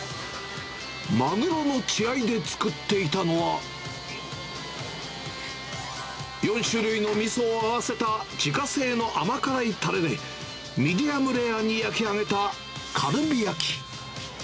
マグロの血合いで作っていたのは、４種類のみそを合わせた自家製の甘辛いたれで、ミディアムレアに焼き上げたカルビ焼。